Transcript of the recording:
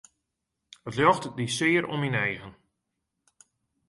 It ljocht die sear oan myn eagen.